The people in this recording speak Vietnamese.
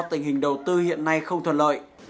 tình hình đầu tư hiện nay không thuận lợi